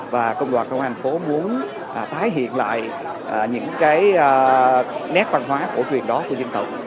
và công đoàn công an thành phố muốn tái hiện lại những cái nét văn hóa cổ truyền đó của dân tộc